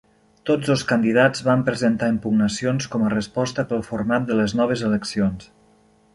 Tots dos candidats van presentar impugnacions com a resposta pel format de les noves eleccions.